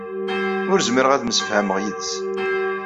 Ur zmireɣ ad msefhameɣ yid-s.